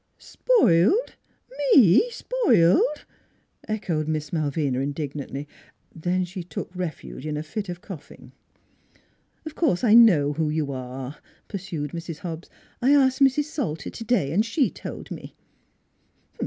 " Spoiled? me spoiled? " echoed Miss Mal vina indignantly. Then she took refuge in a fit of coughing. " Of course I know who you are," pursued Mrs. Hobbs; "I asked Mrs. Salter to day, an' she told me."